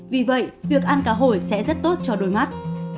vì vậy việc ăn cá hội sẽ rất tốt cho đôi mắt